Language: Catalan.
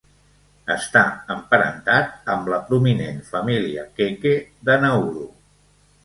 Està emparentat amb la prominent família Keke de Nauru.